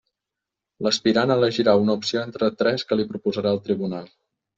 L'aspirant elegirà una opció entre tres que li proposarà el tribunal.